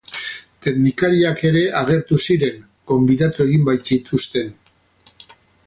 Teknikariak ere agertu ziren, gonbidatu egin baitzituzten.